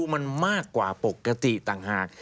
มันมากกว่าปกติต่างหาก